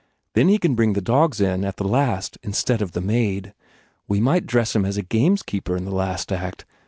Then he can bring the dogs in at the last, instead of the maid. We might dress him as a gamekeeper in the last act.